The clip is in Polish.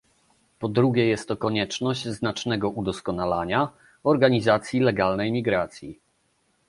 Po drugie jest to konieczność znacznego udoskonalenia organizacji legalnej migracji